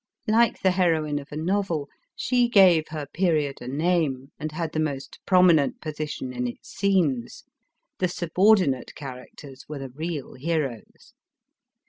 Like the heroine of a novel, she gave her period a name, and had the most prominent position in its scenes ; the subordinate characters were the real heroes.